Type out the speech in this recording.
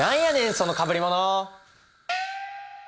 そのかぶりもの！